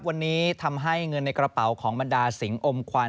วันนี้ทำให้เงินในกระเป๋าของบรรดาสิงหมควัน